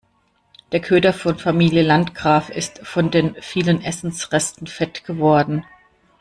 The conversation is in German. Der Köter von Familie Landgraf ist von den vielen Essensresten fett geworden.